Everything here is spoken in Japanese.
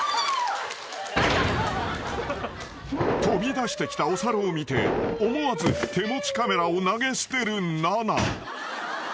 ［飛び出してきたお猿を見て思わず手持ちカメラを投げ捨てるＮＡＮＡ］